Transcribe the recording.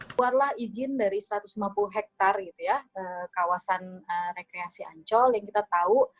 keluarlah izin dari satu ratus lima puluh hektare kawasan rekreasi ancol yang kita tahu